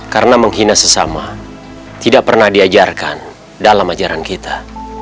karena menghina sesama tidak pernah diajarkan dalam ajaran kita